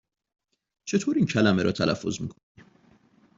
چطور این کلمه را تلفظ می کنی؟